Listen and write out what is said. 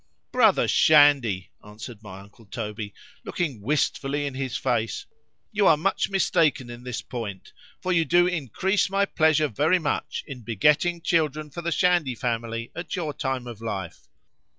——Brother Shandy, answered my uncle Toby, looking wistfully in his face,——you are much mistaken in this point:—for you do increase my pleasure very much, in begetting children for the Shandy family at your time of life.